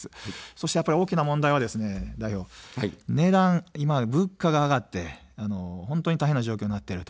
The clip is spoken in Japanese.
そして大きな問題は代表、値段、物価が上がって、大変な状況になっている。